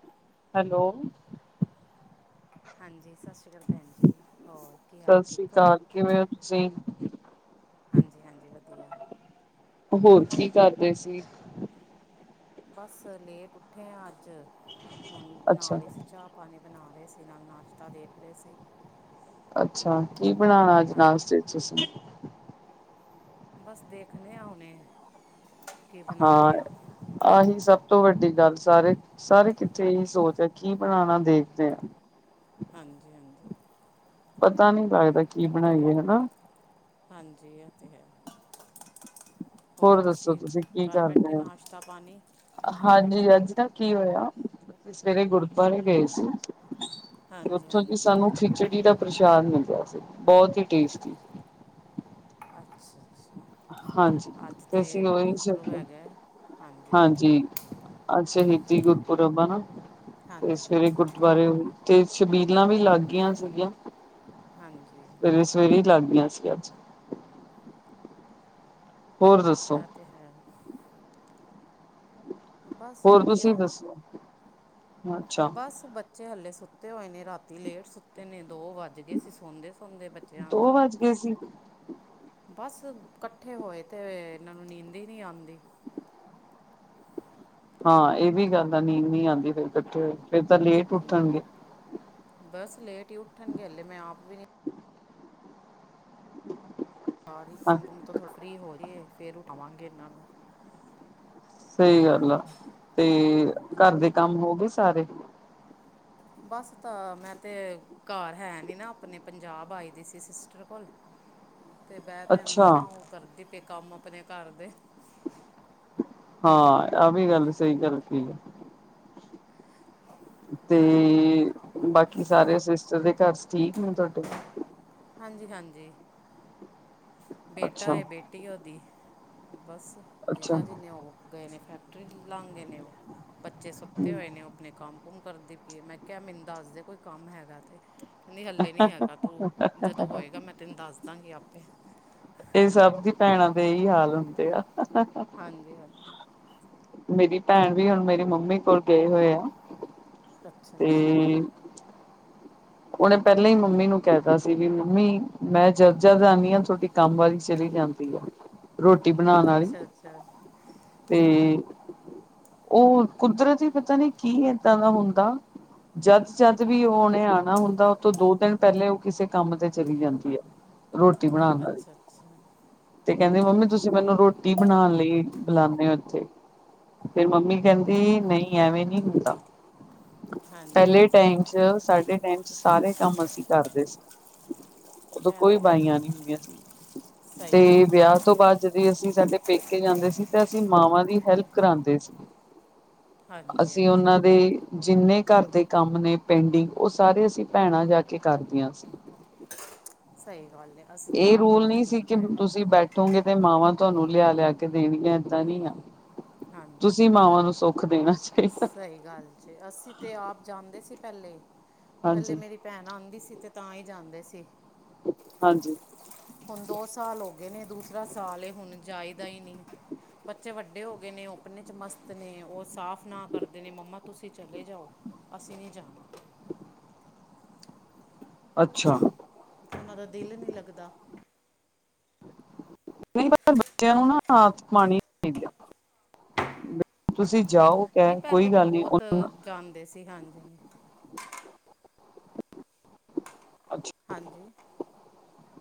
ਹ ਹੈਲੋ। ਹਾਂਜੀ, ਸਤਿ ਸ਼੍ਰੀ ਅਕਾਲ ਭੈਣ ਜੀ, ਹੋਰ। ਕੀ ਹਾਲ ਸਤਿ ਸ੍ਰੀ ਠੀਕ ਹੋ ਅਕਾਲ, ਕਿਵੇਂ ਹੋ ਤੁਸੀਂ? ਹਾਂਜੀ-ਹਾਂਜੀ, ਵਧੀਆ। ਹੋਰ ਕੀ ਕਰਦੇ ਸੀ? ਬਸ, ਲੇਟ ਉੱਠੇ ਹਾਂ ਅੱਜ, ਹੁਣ ਬਣਾ ਅੱਛਾ ਰਹੇ ਸੀ ਚਾਹ ਪਾਣੀ ਬਣਾ ਰਹੇ ਸੀ, ਨਾਲ ਨਾਸ਼ਤਾ ਦੇਖ ਰਹੇ ਸੀ। ਅੱਛਾ, ਕੀ ਬਣਾਣਾ ਅੱਜ ਹਾਂਜੀ ਨਾਸਤੇ ਤੁਸੀਂ? ਬਸ ਦੇਖਣੇ ਆ ਉਣੇ। ਹਾਂ, ਆਹੀ ਸਭ ਤੋਂ ਵੱਡੀ ਗੱਲ ਸਾਰੇ ਸਾਰੇ ਕਿੱਥੇ ਇਹੀ ਸੋਚ ਹੈ, ਕੀ ਬਣਾਉਣਾ ਦੇਖਦੇ ਆ। ਹਾਂਜੀ-ਹਾਂਜੀ। ਪਤਾ ਨੀ ਲੱਗਦਾ ਕੀ ਬਣਾਈਏ, ਹਨਾ? ਹਾਂਜੀ ਇਹ ਤੇ ਹੈ। ਹੋਰ ਦੱਸੋ ਤੁਸੀਂ ਕੀ ਕਰ ਬੈਠੇ ਕਰਦੇ ਹੋ ਨਾਸ਼ਤਾ-ਪਾਣੀ? ਹਾਂਜੀ ਅੱਜ ਨਾ ਕੀ ਹੋਇਆ, ਅਸੀਂ ਸਵੇਰੇ ਗੁਰਦੁਆਰੇ ਗਏ ਸੀ। ਤੇ ਹਾਂਜੀ ਉੱਥੋਂ ਦੀ ਹਾਂਜੀ ਸਾਨੂੰ ਖਿਚੜੀ ਦਾ ਪ੍ਰਸ਼ਾਦ ਮਿਲਿਆ ਸੀ। ਬਹੁਤ ਹੀ ਟੇਸਟੀ। ਅੱਛਾ ਅੱਛਾ। ਹਾਂਜੀ ਅੱਜ ਤੇ ਅਸੀਂ ਉਹੀ ਗੁਰਪੁਰਬ ਸੋਚਿਆ ਹੈਗਾ। ਹਾਂਜੀ ਹਾਂਜੀ‌। ਅੱਜ ਸ਼ਹੀਦੀ ਗੁਰਪੁਰਬ ਆ ਨਾ, ਤੇ ਹਾਂਜੀ ਸਵੇਰੇ ਗੁਰ ਹਾਂਜੀ ਵਾਰੇ, ਤੇ ਸ਼ਬੀਲਾਂ ਵੀ ਲੱਗ ਗਈਆਂ ਸੀਗੀਆਂ। ਹਾਂਜੀ। ਸਵੇਰੇ ਈ ਲੱਗ ਗਆਂ ਸੀ ਅੱਜ। ਹੋਰ ਦੱਸੋ? ਆਤੇ, ਹੈ। ਬਸ ਹੋਰ, ਤੁਸੀਂ ਵਧੀਆ ਦੱਸੋ? ਅੱਛਾ, ਬਸ, ਬੱਚੇ ਹਲੇ ਸੁੱਤੇ ਹੋਏ ਨੇ, ਰਾਤੀ ਲੇਟ ਸੁੱਤੇ ਨੇ, ਦੋ ਵੱਜ। ਵੱਜ ਗਏ ਸੀਂ ਸੌਦੇ ਸੌਦੇ ਬੱਚਿਆਂ ਨੂੰ। ਦੋ ਵੱਜ ਗਏ ਸੀ, ਬਸ, ਇਕੱਠੇ ਹੋਏ ਤੇ ਇਹਨਾਂ ਨੂੰ ਨੀਂਦ ਹੀ ਨਹੀਂ ਆਉਂਦੀ। ਹਾਂ, ਇਹ ਵੀ ਗੱਲ ਆ ਨੀਂਦ ਨੀ ਆਂਦੀ ਫਿਰ ਇਕੱਠੇ ਹੋ, ਫਿਰ ਤਾਂ ਲੇਟ ਹਾਂਜੀ ਉੱਠਣਗੇ। ਬਸ, ਲੇਟ ਹੀ ਉੱਠਣਗੇ ਹਲੇ ਮੈਂ ਆਪ ਵੀ ਨਹੀਂ। ਹਾਂ ਸਾਰੀਮ ਤੋਂ ਥੋ ਫਰੀ ਹੋ ਰਹੀ, ਫੇਰ ਉਠਾਵਾਂਗੇ ਇਹਨਾਂ ਨੂੰ। ਸਹੀ ਗੱਲ ਆ। ਤੇ ਹਾਂਜੀ ਘਰ ਦੇ ਕੰਮ ਹੋ ਗਏ ਸਾਰੇ, ਬਸ ਤਾਂ, ਮੈਂ ਤੇ ਘਰ ਹੈ ਨੀ ਨਾ ਆਪਣੇ ਪੰਜਾਬ ਆਈ ਦੀ ਸੀ। ਸਿਸਟਰ ਕੋਲ, ਮੈਂ, ਤੇ ਅੱਛਾ, ਅੰਦਰ ਆ। ਉਹ ਕਰਦੀ ਪਈ ਕੰਮ ਆਪਣੇ ਘਰ ਦੇ। ਹਾਂ, ਆ ਵੀ ਗੱਲ ਸਹੀ ਗੱਲ ਕਰਤੀ ਆ। ਤੇ, ਹਾਂਜੀ ਬਾਕੀ ਸਾਰੇ ਸਿਸਟਰ ਦੇ ਘਰ ਠੀਕ ਨੇ ਤੁਹਾਡੇ। ਹਾਂਜੀ, ਹਾਂਜੀ, ਬੇਟਾ ਅੱਛਾ। ਐ ਬੇਟੀ ਉਹਦੀ, ਬਸ ਅੱਛਾ, ਜੀਜਾ ਜੀ ਨੇ ਓ, ਗਏ ਨੇ ਫੈਕਟਰੀ ਲਾਂ ਗਏ ਨੇ, ਉਹ ਬੱਚੇ ਸੁੱਤੇ ਹੋਏ ਨੇ, ਉਹ ਆਪਣੇ ਕੰਮ ਕੁਮ ਕਰਦੀ। ਮੈਂ ਕਿਹਾ ਮੈਨੂੰ ਦੱਸਦੇ ਕੋਈ ਕੰਮ ਹੈਗਾ। ਤੇ ਕਹਿੰਦੀ ਹੱਲੇ ਨੀ ਹੈਗਾ ਤੂੰ ਜਦੋਂ ਹੋਏਗਾ ਮੈਂ, ਤੈਨੂੰ ਦੱਸਦਾਂਗੀ ਆਪੇ। ਇਹ ਸਭ ਦੀ ਭੈਣਾਂ ਦੇ ਇਹੀ ਹਾਲ ਹੁੰਦੇ ਆ। [inaudible] ਹਾਂਜੀ, ਹਾਂਜੀ, ਮੇਰੀ ਭੈਣ ਵੀ ਹੁਣ ਮੇਰੀ ਮੰਮੀ ਕੋਲ ਗਏ ਹੋਏ ਆ। ਅੱਛਾ ਅੱਛਾ, ਤੇ ਉਹਨੇ ਪਹਿਲਾਂ ਹੀ ਮੰਮੀ ਨੂੰ ਕਹਿਤਾ ਸੀ ਵੀ ਮੰਮੀ ਮੈਂ ਜਦ ਜਦ ਆਂਦੀ ਆ ਤੁਹਾਡੀ ਕੰਮ ਵਾਲੀ ਚਲੀ ਜਾਂਦੀ ਐ। [inaudible] ਰੋਟੀ ਬਣਾਣ ਅੱਛਾ ਆਲੀ ਅੱਛਾ ਤੇ। ਉਹ ਕੁਦਰਤ ਹੀ ਪਤਾ ਨੀ ਕੀ ਏਦਾਂ ਦਾ ਹੁੰਦਾ। ਜਦ ਜਦ ਵੀ ਓਨੇ ਆਣਾ, ਹੁੰਦਾ ਉਹ ਤੋਂ ਦੋ ਦਿਨ ਪਹਿਲੇ ਉਹ ਕਿਸੇ ਕੰਮ ਤੇ ਚਲੀ ਜਾਂਦੀ ਆ। ਰੋਟੀ ਬਣਾਣ ਦਾ। ਅੱਛਾ ਅੱਛਾ ਤੇ ਕਹਿੰਦੇ ਮੰਮੀ ਤੁਸੀਂ ਮੈਨੂੰ ਰੋਟੀ ਬਣਾਣ ਲਈ ਬੁਲਾਦੇ ਹੋ ਇੱਥੇ। ਫਿਰ ਮੰਮੀ ਕਹਿੰਦੀ ਨਹੀਂ ਐਵੇਂ ਨਹੀਂ ਹੁੰਦਾ। ਹਾਂਜੀ ਪਹਿਲੇ ਇਹ ਟਾਈਮ 'ਚ ਸਾਡੇ ਟਾਈਮ 'ਚ ਸਾਰੇ ਕੰਮ ਅਸੀਂ ਕਰਦੇ ਸੀ। ਉਦੋਂ ਤਾਂ ਕੋਈ ਹੈ ਬਾਈਆਂ ਨਹੀਂ ਹੁੰਦੀਆਂ ਸੀ ਸਹੀ ਤੇ ਗੱਲ ਵਿਆਹ ਹੈ। ਤੋਂ ਬਾਅਦ ਜਦ ਅਸੀਂ ਸਾਡੇ ਪੇਕੇ ਜਾਂਦੇ ਸੀ ਤੇ ਅਸੀਂ ਮਾਵਾਂ ਦੀ ਹੈਲਪ ਕਰਾਉਂਦੇ ਸੀ। ਹਾਂਜੀ ਅਸੀਂ ਹਾਂਜੀ ਉਹਨਾਂ ਦੇ ਜਿੰਨੇ ਘਰ ਦੇ ਕੰਮ ਨੇ ਪੇਡਿੰਗ ਉਹ ਸਾਰੇ ਅ ਭੈਣਾਂ ਜਾ ਕੇ ਕਰਦੀਆਂ ਸੀ। ਸਹੀ ਗੱਲ ਹੈ ਅਸੀਂ ਤਾਂ ਇਹ ਆਪ ਰੂਲ ਬਹੁਤ ਨਹੀਂ ਸੀ ਕਿ ਕੀਤੇ ਹੋਏ ਨੇ ਤੁਸੀਂ ਬੈਠੇ ਗੇ, ਤੇ ਮਾਵਾਂ ਤੁਹਾਨੂੰ ਲਿਆ ਲਿਆ ਕੇ ਦੇਣਗੀਆਂ ਏਦਾਂ ਨੀ ਆ ਹਾਂਜੀ ਤੁਸੀਂ ਮਾਵਾਂ ਨੂੰ ਸੁੱਖ, ਦੇਣਾ ਚਾਹੀਦਾ। ਸਹੀ, ਗੱਲ ਜੇ ਅਸੀਂ ਤੇ ਆਪ ਜਾਂਦੇ ਸੀ ਪਹਿਲੇ ਪਹਿਲੇ ਹਾਂਜੀ ਮੇਰੀ, ਭੈਣਾਂ ਆਂਦੀ ਸੀ। ਤੇ ਤਾਂ ਹੀ ਜਾਂਦੇ ਸੀ। ਹਾਂਜੀ, ਹੁਣ ਦੋ ਸਾਲ ਹੋ ਗਏ ਨੇ ਦੂਸਰਾ ਸਾਲ ਇਹ ਹੁਣ ਜਾਇਦਾ ਹੀ ਨਹੀਂ। ਬੱਚੇ ਵੱਡੇ ਹੋ ਗਏ ਨੇ ਓ ਆਪਨੇ ਚ ਮਸਤ ਨੇ ਉਹ ਸਾਫ਼ ਨਾ ਕਰਦੇ ਨੇ ਮੰਮਾ ਤੁਸੀਂ ਚਲੇ ਜਾਓ। ਅਸੀਂ ਨਹੀਂ ਜਾਣਾ। ਅੱਛਾ ਉਹਨਾਂ ਦਾ ਦਿਲ ਨੀ ਲੱਗਦਾ। ਨਹੀਂ ਬੱਚਿਆਂ ਨੂੰ ਨਾ ਆਦਤ ਪਾਣੀ ਚਾਹੀਦੀ ਆ। ਤੁਸੀਂ ਜਾਓ, ਨਹੀਂ ਕਹਿ ਪਹਿਲੇ ਕੋਈ ਤਾਂ ਗੱਲ ਨੀ ਬਹੁਤ ਜਾਂਦੇ ਸੀ ਹਾਂਜੀ। ਅੱਛਾ, ਹਾਂਜੀ,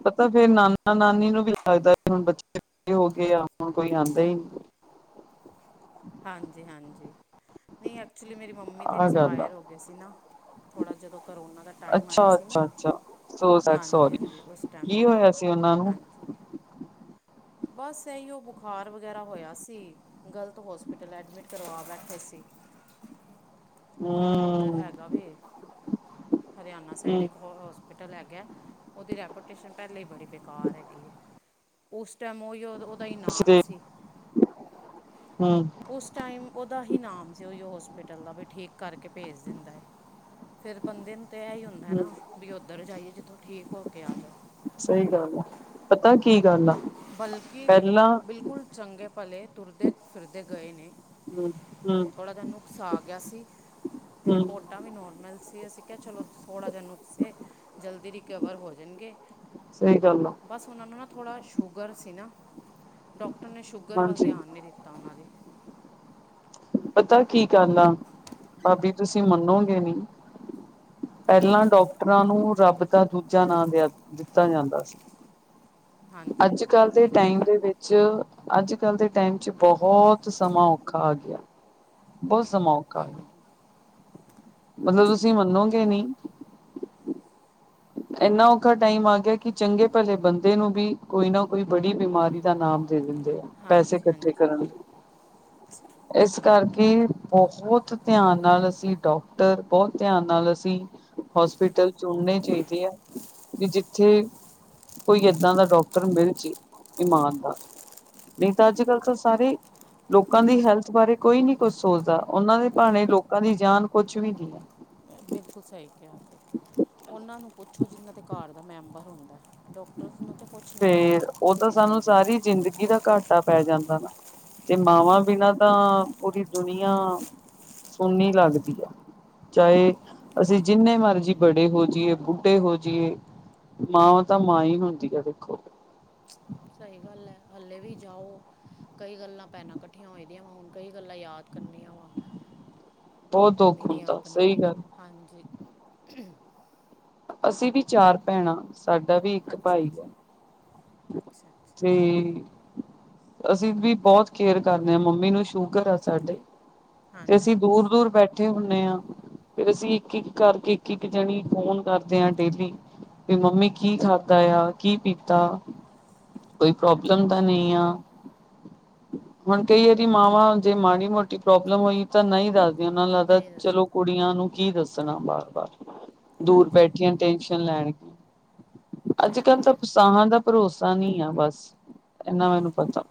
ਪਤਾ ਫੇਰ ਨਾਨਾ-ਨਾਨੀ ਨੂੰ ਵੀ ਲੱਗਦਾ, ਹੁਣ ਬੱਚੇ ਹੋ ਗਏ ਆ ਹੁਣ ਕੋਈ ਆਉਂਦਾ ਹੀ ਨਹੀਂ। ਹਾਂਜੀ-ਹਾਂਜੀ, ਨਹੀਂ ਐਕਚੁਲੀ ਮੇਰੀ ਮੰਮੀ ਤਾਂ ਆਹ ਗੱਲ ਆ ਐਕਸਪਾਇਰ ਹੋ ਗਏ ਸੀ ਨਾ। ਥੋੜ੍ਹਾ ਜਦੋਂ ਕਰੋਨਾ ਦਾ ਟਾਈਮ ਆਇਆ ਅੱਛਾ ਸੀ, ਨਾ ਅੱਛਾ ਅੱਛਾ ਸੋ ਸੈਡ ਸੋਰੀ ਹਾਂਜੀ-ਹਾਂਜੀ ਉਸ ਟਾਈਮ ਕੀ ਹੋਇਆ ਸੀ ਉਹਨਾਂ ਨੂੰ ਹਾਂਜੀ ਬਸ ਇਹੀ ਉਹ ਬੁਖਾਰ ਵਗੈਰਾ ਹੋਇਆ ਸੀ। ਗ਼ਲਤ ਹੋਸਪਿਟਲ ਐਡਮਿਟ ਕਰਵਾ ਬੈਠੇ ਸੀ। ਉੱਧਰ ਹਮ ਹੈਗਾ ਵੀ ਹਰਿਆਣਾ ਸਾਈਡ ਹਮ ਇੱਕ ਹੋ, ਹੋਸਪੀਟਲ ਹੈਗਾ, ਉਹਦੀ ਰੈਪੋਟੇਸ਼ਨ ਪਹਿਲੇ ਹੀ ਬੀ ਬੇਕਾਰ ਹੈਗੀ ਹੈ। ਉਸ ਟਾਈਮ ਉਹਹੀ ਉਹਦਾ ਤੁਸੀਂ ਇਨਾਮ ਦੇ ਸੀ। ਹਮ ਉਸ ਟਾਈਮ ਉਹਦਾ ਹੀ ਨਾਮ ਸੀ, ਉਹੀ ਹੋਸਪਿਟਲ ਦਾ ਵੀ ਠੀਕ ਕਰਕੇ ਭੇਜ ਦਿੰਦਾ ਏ, ਫੇਰ ਬੰਦੇ ਨੂੰ ਤੇ ਇਹ ਹੀ ਹੁੰਦਾ, ਹਮ ਨਾ ਵੀ ਉੱਧਰ ਜਾਈਏ ਜਿੱਥੋਂ ਠੀਕ ਹੋ ਕੇ ਆ ਜਾਓ। ਸਹੀ ਗੱਲ ਹੈ। ਪਤਾ ਕੀ ਗ ਬਲਕਿ ਬਿਲਕੁਲ ਚੰਗੇ ਭਲੇ। ਤੁਰਦੇ ਫਿਰਦੇ ਗਏ, ਨੇ ਹਮ ਹਮ ਥੋੜ੍ਹਾ ਜਿਹਾ ਨੂੰ ਉਕਸਾ ਗਿਆ ਸੀ। ਹਮ ਰਿਪੋਰਟ ਟਾ ਵੀ ਨੋਰਮਲ ਸੀ, ਅਸੀਂ ਕਿਹਾ ਚਲੋ ਥੋੜ੍ਹਾ ਜਿਹਾ ਨੁਕਸੇ ਜਲਦੀ ਰਿਕਵਰ ਹੋ ਜਾਣਗੇ। ਸਹੀ ਗੱਲ ਆ। ਬਸ ਉਹਨਾਂ ਨੂੰ ਨਾ ਥੋੜ੍ਹਾ ਸ਼ੂਗਰ ਸੀ ਨਾ, ਡੋਕਟਰ ਨੇ ਸ਼ੂਗਰ ਵੱਲ ਹਾਂਜੀ ਧਿਆਨ ਨਹੀਂ ਦਿੱਤਾ ਉਹਨਾਂ ਦੀ ਪਤਾ ਕੀ ਕਰਨਾ ਭਾਬੀ ਤੁਸੀਂ ਮੰਨੋਗੇ ਨੀ। ਪਹਿਲਾਂ ਡਾਕਟਰਾਂ ਨੂੰ ਰੱਬ ਦਾ ਦੂਜਾ ਨਾਂ ਦ ਦਿੱਤਾ ਜਾਂਦਾ ਸੀ। ਹਾਂਜੀ ਅੱਜ ਹਾਂਜੀ ਕੱਲ੍ਹ ਦੇ ਸਹੀ ਟਾਈਮ ਗੱਲ ਦੇ ਵਿੱਚ ਚ ਅੱਜ-ਕੱਲ ਦੇ ਟਾਈਮ ਚ ਬਹੁਤ ਸਮਾਂ ਔਖਾ ਆ ਗਿਆ। ਬਹੁਤ ਸਮਾਂ ਔ ਹੂੰ, ਮਤਲਬ ਤੁਸੀਂ ਮੰਨੋਗੇ ਨਹੀਂ ਇੰਨਾ ਔਖਾ ਟਾਈਮ ਆ ਗਿਆ, ਕਿ ਚੰਗੇ ਭਲੇ ਬੰਦੇ ਨੂੰ ਵੀ ਕੋਈ ਨਾ ਕੋਈ ਬੜੀ ਬਿਮਾਰੀ ਦਾ ਨਾਮ ਦੇ ਦਿੰਦੇ ਪੈਸੇ ਹਾਂਜੀ ਇਕੱਠੇ ਹਾਂਜੀ ਕਰਨ ਲਈ [inaudible] ਇਸ ਕਰਕੇ ਬਹੁਤ ਧਿਆਨ ਨਾਲ ਅਸੀਂ ਡਾਕਟਰ ਬਹੁਤ ਧਿਆਨ ਨਾਲ ਅਸੀਂ ਹੋਸਪਿਟਲ ਚੁਣਨੇ ਚਾਹੀਦੇ, ਆ ਵੀ ਜਿੱਥੇ ਕੋਈ ਏਦਾਂ ਦਾ ਡਾਕਟਰ ਮਿਲ ਜੇ ਇਮਾਨਦਾਰ। ਨਹੀਂ ਤਾਂ ਅੱਜ-ਕੱਲ੍ਹ ਤਾਂ ਸਾਰੇ ਲੋਕਾਂ ਦੀ ਹੈਲਥ ਬਾਰੇ ਕੋਈ ਨੀ ਕੁਛ ਸੋਚਦਾ, ਉਹਨਾਂ ਦੇ ਭਾਣੇ ਲੋਕਾਂ ਦੀ ਜਾਨ ਕੁਛ ਵੀ ਨਹੀਂ। ਬਿਲਕੁਲ ਸਹੀ ਕਿਹਾ, ਉਹਨਾਂ ਨੂੰ ਪੁੱਛੋ ਜਿਨ੍ਹਾਂ ਦੇ ਘਰ ਦਾ ਮੈਂਬਰ ਹੁੰਦਾ। ਡਾਕਟਰਸ ਨੂੰ ਤਾਂ ਕੁਝ ਨਹੀਂ ਹੈਗਾ ਫੇਰ, ਉਹ ਕਿਸੇ ਤਾਂ ਦੀ ਸਾਨੂੰ ਜ਼ਿੰਦਗੀ ਸਾਰੀ ਤੋਂ ਜ਼ਿੰਦਗੀ ਦਾ ਘਾਟਾ ਪੈ ਜਾਂਦਾ ਨਾ। ਤੇ ਮਾਵਾਂ ਬਿਨਾਂ ਤਾਂ ਪੂਰੀ ਦੁਨੀਆਂ ਸੁਨੀ ਲੱਗਦੀ ਹੈ। ਚਾਹੇ ਅਸੀਂ ਜਿੰਨੇ ਮਰਜ਼ੀ ਬੜੇ ਹੋ ਜਾਈਏ ਬੁੱਢੇ ਹੋ ਜਾਈਏ। ਮਾਂਵ ਤਾਂ ਮਾਂ ਹੀ ਹੁੰਦੀ ਆ ਦੇਖੋ। ਸਹੀ ਗੱਲ ਹੈ ਹੱਲੇ ਵੀ ਜਾਓ। ਕਈ ਗੱਲਾਂ ਭੈਣਾਂ ਇਕੱਠੀਆਂ ਹੋ ਦੀਆਂ ਵਾ ਹੁਣ ਕਈ ਗੱਲਾਂ ਯਾਦ ਕਰਨੀਆਂ ਵਾ ਬਹੁਤ ਮੰਮੀ ਦੁੱਖ ਦੀ ਹੁੰਦਾ ਆਪਣੀ ਸਹੀ ਗੱਲ ਹਾਂਜੀ, ਅਸੀਂ ਵੀ ਚਾਰ ਭੈਣਾਂ ਸਾਡਾ ਵੀ ਇੱਕ ਅੱਛਾ ਭਾਈ। ਅੱਛਾ ਅੱਛਾ ਅੱਛਾ ਤੇ ਅਸੀਂ ਵੀ ਬਹੁਤ ਕੇਅਰ ਕਰਨੇ ਆ ਮੰਮੀ ਨੂੰ ਸ਼ੂਗਰ ਐ ਸਾਡੇ। ਤੇ ਅਸੀਂ ਹਾਂਜੀ ਦੂਰ, ਦੂਰ ਬੈਠ ਇਕੱਠੇ ਹੁੰਨੇ ਹਾਂ ਫਿਰ ਅਸੀਂ ਇੱਕ, ਇੱਕ ਕਰਕੇ ਇੱਕ, ਇੱਕ ਜਣੀ ਫੋਨ ਕਰਦੇ ਹਾਂ ਡੇਲੀ। ਵੀ ਮੰਮੀ ਕੀ ਖਾਧਾ ਆ ਕੀ ਪੀਤਾ ਕੋਈ ਪ੍ਰੋਬਲਮ ਤਾਂ ਨਹੀਂ ਆ ਹੁਣ ਕਹੀਏ ਦੀ ਮਾਵਾਂ ਜੇ ਮਾੜੀ ਮੋਟੀ ਪ੍ਰੋਬਲਮ ਹੋਈ ਤਾਂ ਨਹੀਂ ਦੱਸਦੀਆਂ ਉਹਨਾਂ ਨੂੰ ਲੱਗਦਾ ਨਹੀਂ ਚਲੋ ਦੱਸਦਾ ਕੁੜੀਆਂ ਨੂੰ ਕੀ ਦੱਸਣਾ ਬਾਰ- ਬਾਰ ਦੂਰ ਹਾਂਜੀ ਹਾਂਜੀ ਬੈਠੀਆਂ ਟੈਸ਼ਨ ਲੈਣ ਅੱਜ ਇਹ ਕੱਲ ਤਾਂ ਹੈ ਸਾਹਾਂ ਦਾ ਭਰੋਸਾ ਨਹੀਂ ਆ ਬਸ ਇਹਨਾ ਮੈਨੂੰ ਪਤਾ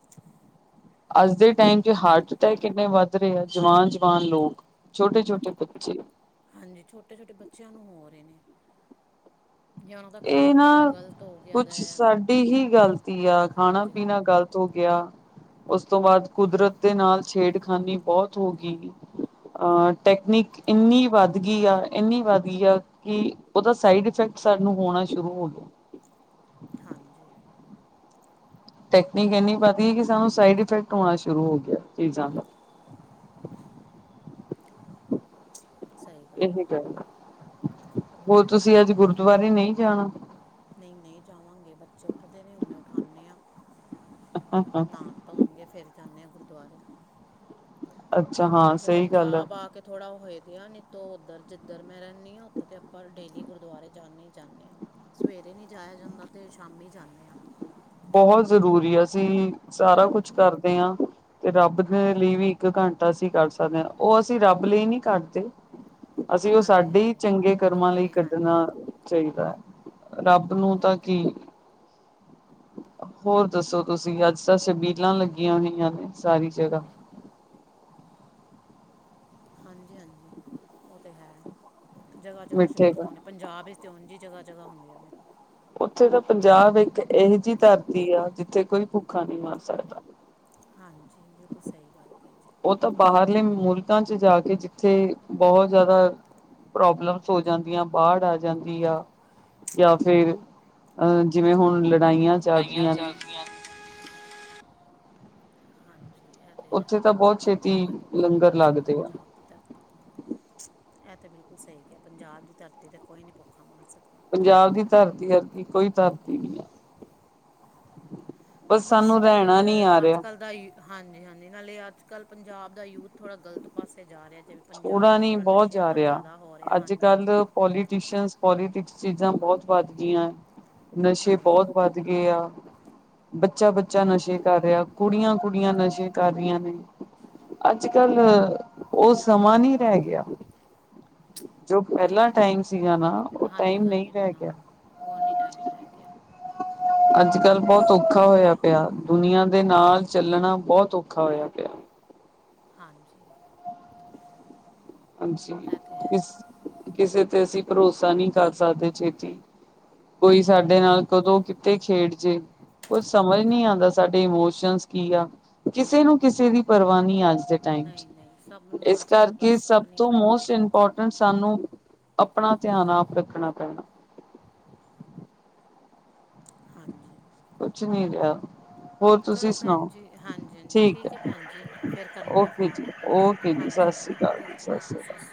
[inaudible] ਅੱਜ ਦੇ ਟਾਈਮ 'ਚ ਹਾਰਟ ਅਟੈਕ ਕਿੰਨੇ ਵੱਧ ਰਹੇ ਆ ਜਵਾਨ- ਜਵਾਨ ਲੋਕ ਛੋਟੇ- ਛੋਟੇ ਬੱਚੇ ਹਾਂਜੀ ਛੋਟੇ -ਛੋਟੇ ਬੱਚਿਆਂ ਨੂੰ ਹੋ ਰਹੇ ਨੇ। ਜਾਂ ਉਹਨਾਂ ਦਾ ਇਹ ਖਾਣਾ ਪੀਣਾ ਨਾ ਗਲਤ ਹੋ ਗਿਆ ਦਾ ਕੁਛ ਸਾਡੀ ਹੀ ਗਲਤੀ ਆ ਹਾਂਜੀ ਖਾਣਾ-ਪੀਣਾ ਹਾਂਜੀ ਗਲਤ ਹੋ ਗਿਆ ਉਸ ਤੋਂ ਬਾਅਦ ਕੁਦਰਤ ਦੇ ਨਾਲ ਛੇੜਖਾਨੀ ਬਹੁਤ ਹੋ ਗਈ। ਅਹ ਟੈਕਨੀਕ ਇੰਨੀ ਵੱਧ ਗਈ ਆ ਇੰਨੀ ਵੱਧ ਗਈ ਆ। ਕਿ ਉਹਦਾ ਸਾਈਡ ਇਫੈਕਟ ਸਾਨੂੰ ਹੋਣਾ ਸ਼ੁਰੂ ਹੋ ਗਿਆ। ਹਾਂਜੀ ਟੈਕਨੀਕ ਇੰਨੀ ਵੱਧ ਗੀ ਕਿ ਸਾਨੂੰ ਸਾਈਡ ਇਫੈਕਟ ਹੋਣਾ ਸ਼ੁਰੂ ਹੋ ਗਿਆ ਚੀਜ਼ਾਂ ਦਾ [inaudible] ਸਹੀ ਇਹੀ ਹੈ ਗੱਲ ਆ ਹੋਰ ਤੁਸੀਂ ਅੱਜ ਗੁਰਦੁਆਰੇ ਨਹੀਂ ਜਾਣਾ। ਨਹੀਂ- ਨਹੀਂ ਜਾਵਾਂਗੇ ਬੱਚੇ ਉੱਠਦੇ ਨੇ ਹੁਨੇ ਉਠਾਨੇ ਹਾਂ ਨਾਨ ਧੋਣਗੇ ਫਿਰ ਜਾਂਨੇ ਹਾਂ ਗੁਰਦੁਆਰੇ ਅੱਛਾ ਹਾਂ ਐਥੇ ਸਹੀ ਗੱਲ ਹੈ। ਪੰਜਾਬ ਆ ਕੇ ਥੋੜ੍ਹਾ ਹੋਏ ਦੇ ਆ ਨਹੀਂ ਤੋ ਉੱਧਰ ਜਿੱਧਰ ਮੈਂ ਰਹਿੰਨੀ ਹਾਂ ਉੱਥੇ ਤਾਂ ਆਪਾਂ ਡੇਲੀ ਗੁਰਦੁਆਰੇ ਜਾਨੇ ਹੀ ਜਾਂਨੇ ਹਾਂ। ਸਵੇਰੇ ਨਹੀਂ ਜਾਇਆ ਜਾਂਦਾ ਤੇ ਸ਼ਾਮੀ ਜਾਂਨੇ ਹਾਂ। ਬਹੁਤ ਜ਼ਰੂਰੀ ਅਸੀਂ ਸਾਰਾ ਕੁਛ ਹਾਂਜੀ ਕਰਦੇ ਆਂ। ਤੇ ਰੱਬ ਦੇ ਲਈ ਵੀ ਇੱਕ ਘੰਟਾ ਅਸੀਂ ਕਢੱ ਸਕਦੇ ਹਾਂ ਉਹ ਅਸੀਂ ਰੱਬ ਲਈ ਨਹੀਂ ਕਢੱਦੇ ਅਸੀਂ ਉਹ ਹਾਂਜੀ ਸਾਡੇ ਹੀ ਹਾਂਜੀ ਚੰਗੇ ਕਰਮਾਂ ਲਈ ਆਪਣੇ ਹਾਂਜੀ ਕੱਢਣਾ। ਚਾਹੀਦਾ ਹੈ ਰੱਬ ਨੂੰ ਤਾਂ ਕੀ ਹੋਰ ਦੱਸੋ ਤੁਸੀਂ ਅੱਜ ਤਾਂ ਸ਼ਬੀਲਾਂ ਲੱਗੀਆਂ ਹੋਈਆਂ ਨੇ ਸਾਰੀ ਜਗ੍ਹਾ ਹਾਂਜੀ- ਹਾਂਜੀ ਉਹ ਤਾਂ ਹੈ ਜਗ੍ਹਾ- ਜਗ੍ਹਾ ਮਿੱਠੇ ਦਾ ਛਬੀਲਾਂ ਨੇ। ਪੰਜਾਬ ਵਿੱਚ ਉਂਝ ਹੀ ਜਗ੍ਹਾ- ਜਗ੍ਹਾ ਹੁੰਦੀਆਂ ਨੇ। ਉਥੇ ਤਾਂ ਪੰਜਾਬ ਇੱਕ ਇਹੋ ਜਿਹੀ ਧਰਤੀ ਆ ਜਿੱਥੇ ਕੋਈ ਭੁੱਖਾ ਨਹੀਂ ਮਰ ਸਕਦਾ। ਹਾਂਜੀ ਬਿਲਕੁਲ ਸਹੀ ਗੱਲ ਕਹੀ ਜੇ। ਉਹ ਤਾਂ ਬਾਹਰਲੇ ਮੁਲਕਾਂ 'ਚ ਜਾ ਕੇ ਜਿੱਥੇ ਬਹੁਤ ਜ਼ਿਆਦਾ ਪ੍ਰੋਬਲਮਸ ਹੋ ਜਾਂਦੀਆਂ ਬਾੜ ਆ ਜਾਂਦੀ ਆ। ਜਾਂ ਫਿਰ ਅਹ ਜਿਵੇਂ ਹੁਣ ਲੜਾਈਆਂ ਚੱਲ ਲੜਾਈਆਂ [inaudible] ਰਹੀਆਂ ਨੇ ਚਲਦੀਆਂ। ਹਾਂਜੀ ਇਹ ਤਾਂ ਹੈ ਉੱਥੇ ਬਹੁਤ ਉਧਰ ਛੇਤੀ ਕੋਈ ਭੁਖਾ ਨਹੀਂ ਲੰਗਰ ਮਰ ਸਕਦਾ ਲੱਗਦੇ ਆ ਪੰਜਾਬ ਦੀ ਧਰਤੀ ਤੇ [inaudible] ਇਹ ਤਾਂ ਬਿਲਕੁਲ ਸਹੀ ਕਿਹਾ ਪੰਜਾਬ ਦੀ ਧਰਤੀ ਤੇ ਕੋਈ ਨਹੀਂ ਭੁੱਖਾ ਮਰ ਸਕਦਾ। ਪੰਜਾਬ ਦੀ ਧਰਤੀ ਅਗੇ ਕੋਈ ਧਰਤੀ ਨਹੀਂ। ਬਸ ਸਾਨੂੰ ਥੋੜ੍ਹੇ ਰਹਿਣਾ ਨਹੀਂ ਜਿਹੇ ਆ ਅੱਜ ਰਿਹਾ ਕੱਲ੍ਹ ਦਾ ਹੀ ਹਾਂਜੀ- ਹਾਂਜੀ ਨਾਲੇ ਅੱਜ ਕੱਲ੍ਹ ਪੰਜਾਬ ਦਾ ਯੂਥ ਥੋੜ੍ਹਾ ਗਲਤ ਪਾਸੇ ਜਾ ਰਿਹਾ ਜਿਵੇਂ ਪੰਜਾਬ ਥੋੜ੍ਹਾ ਵਿੱਚ ਨੀ ਬਹੁਤ ਨਸ਼ਿਆਂ ਜਾ ਦਾ ਰਿਹਾ ਜ਼ਿਆਦਾ ਹੋ ਰਿਹਾ ਅੱਜ ਹਾਂਜੀ ਕੱਲ ਹਾਂਜੀ ਪੋਲੀਟੀਸ਼ਨ ਪੋਲੀਟਿਕਸ ਚੀਜ਼ਾਂ ਬਹੁਤ ਵੱਧ ਗਈਆਂ ਨਸ਼ੇ ਹਾਂਜੀ ਬਹੁਤ ਵੱਧ ਗਏ ਆ। ਬੱਚਾ- ਬੱਚਾ ਨਸ਼ੇ ਕਰ ਰਿਹਾ ਕੁੜੀਆਂ- ਕੁੜੀਆਂ ਨਸ਼ੇ ਕਰ ਰਹੀਆਂ ਨੇ। ਅੱਜ ਕੱਲ ਉਹ ਸਮਾਂ ਨਹੀਂ ਰਹਿ ਗਿਆ। ਜੋ [inaudible] ਪਹਿਲਾ ਟਾਈਮ ਸੀਗਾ ਨਾ ਉਹ ਹਾਂਜੀ- ਟਾਈਮ ਨਹੀਂ ਹਾਂਜੀ ਰਹਿ ਹਨਾ ਗਿਆ ਉਹ ਨਹੀਂ ਟਾਈਮ ਰਹਿ ਗਿਆ। [inaudible] ਅੱਜ ਕੱਲ੍ਹ ਬਹੁਤ ਔਖਾ ਹੋਇਆ ਪਿਆ ਦੁਨੀਆਂ ਦੇ ਨਾਲ ਚੱਲਣਾ ਬਹੁਤ ਔਖਾ ਹੋਇਆ ਪਿਆ। ਹਾਂਜੀ ਹਾਂਜੀ ਇਹ ਤਾਂ ਹੈ ਕਿਸ ਕਿਸੇ ਤੇ ਅਸੀਂ ਭਰੋਸਾ ਨਹੀਂ ਕਰ ਸਕਦੇ ਛੇਤੀ ਕੋਈ ਸਾਡੇ ਨਾਲ ਕਦੋਂ ਕਿਤੇ ਖੇਡ ਜੇ। ਕੁਛ ਸਮਝ ਨੀ ਆਉਂਦਾ ਸਾਡੇ ਇਮੋਸ਼ਨ ਕੀ ਆ ਕਿਸੇ ਨੂੰ ਕਿਸੇ ਦੀ ਪਰਵਾ ਨਹੀਂ ਅੱਜ ਦੇ ਟਾਈਮ ਚ ਨਹੀਂ ਨਹੀਂ ਸਭ ਨੂੰ ਇਸ ਅੱਜ ਕਰ ਕੱਲ੍ਹ ਕੇ ਬਸ ਸਭ ਆਪਣੀ ਤੋਂ ਪਾਈ ਹੈ ਮੋਸਟ ਇਮਪੋਰੇਂਟੈਂਟ ਸਾਨੂੰ ਆਪਣਾ ਧਿਆਨ ਆਪ ਰੱਖਣਾ ਪੈਣਾ। ਹਾਂਜੀ। ਕੁੱਛ ਨਹੀ ਰਹਿਆ। ਚਲੋ ਭੈਣ ਜੀ ਹਾਂਜੀ ਹਾਂਜੀ ਠੀਕ ਹੈ ਭੈਣ ਜੀ ਫਿਰ ਕਰਨੇ ਆ। ਫੋਨ ਜ ਓਕੇ ਜੀ ਹਾਂਜੀ ਸਤਿ ਸ਼੍ਰੀ ਹਾਂਜੀ ਅਕਾਲ ਜੀ ਠੀਕ ਸਤਿ ਹੈ ਸ਼੍ਰੀ ਅਕਾਲ।